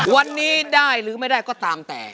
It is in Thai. วันนี้ได้หรือไม่ได้ก็ตามแต่